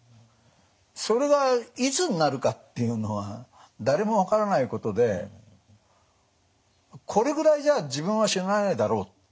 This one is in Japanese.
それがいつになるかっていうのは誰も分からないことでこれぐらいじゃ自分は死なないだろうって